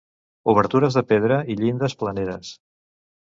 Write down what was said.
Obertures de pedra i llindes planeres.